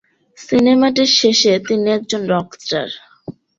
সিনেমাটির শেষে, তিনি একজন রক স্টার।